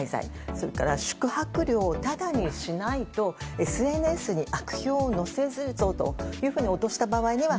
それから宿泊料をタダにしないとＳＮＳに悪評を載せるぞと脅した場合には